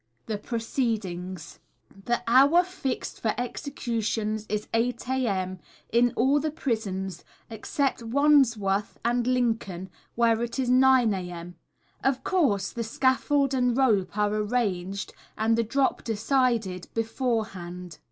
THE PROCEEDINGS. The hour fixed for executions is 8 0 a.m. in all the prisons, except Wandsworth and Lincoln, where it is 9 0 a.m. Of course, the scaffold and rope are arranged, and the drop decided, beforehand.